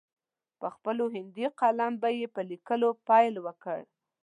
په خپل هندي قلم به یې په لیکلو پیل وکړ.